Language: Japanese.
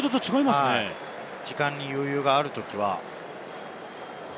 時間に余裕があるときは。